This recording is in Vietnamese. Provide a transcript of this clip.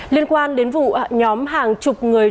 liên quan đến vụ nhóm hàng chục người